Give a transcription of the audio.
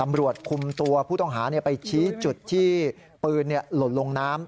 ตำรวจคุมตัวผู้ต้องหาไปชี้จุดที่ปืนหล่นลงน้ำ